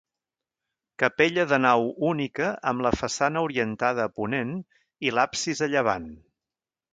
Capella de nau única amb la façana orientada a ponent i l'absis a llevant.